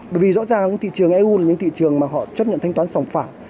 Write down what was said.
bởi vì rõ ràng thị trường eu là những thị trường mà họ chấp nhận thanh toán sòng phẳng